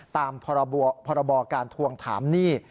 ตามพรบการทวงถามหนี้